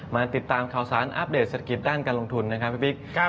มาติดตามข่าวสารอัปเดตเศรษฐกิจด้านการลงทุนนะครับพี่บิ๊ก